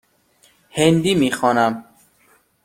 هندی می خوانم.